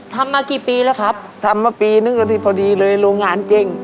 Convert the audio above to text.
ทำมากี่ปีแล้วครับทำมาปีนึงก็ที่พอดีเลยโรงงานเจ๊ง